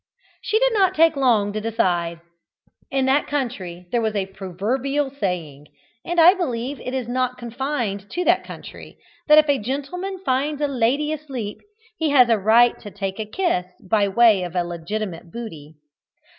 She did not take long to decide. In that country there was a proverbial saying and I believe it is not confined to that country that if a gentleman finds a lady asleep he has a right to take a kiss by way of legitimate booty.